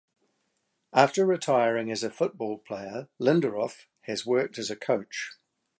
After retiring as a football player Linderoth has worked as a coach.